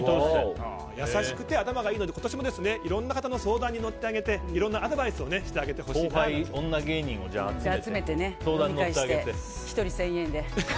優しくて頭がいいので今年もいろんな方の相談に乗ってあげていろんなアドバイスを後輩の女芸人を集めて１人１０００円で。